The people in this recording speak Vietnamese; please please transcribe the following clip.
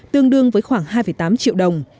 tương đương với khoảng hai tám triệu đồng